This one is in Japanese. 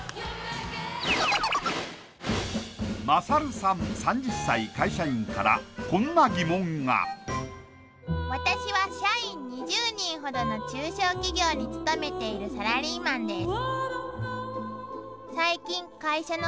そんな今年からこんな疑問が私は社員２０人ほどの中小企業に勤めているサラリーマンです